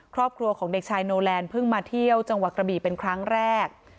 ครอบครัวของเด็กชายโนแลนด์เพิ่งมาเที่ยวจังหวัดกระบีเป็นครั้งแรก